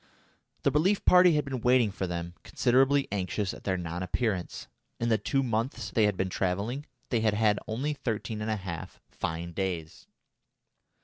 The relief party had been waiting for them, considerably anxious at their non appearance. In the two months they had been travelling, they had had only thirteen and a half fine days.